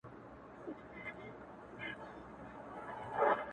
د دوست سره دوستي، د ښمن سره مدارا.